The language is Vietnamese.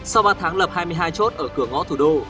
sau ba tháng lập hai mươi hai chốt ở cửa ngõ thủ đô